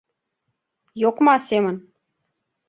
Йокма семын...